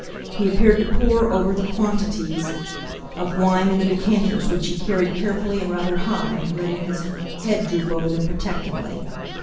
He appeared to pore over the quantities of wine in the decanters, which he carried carefully and rather high, letting his head droop over them protectingly.